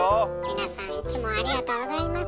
皆さんいつもありがとうございます。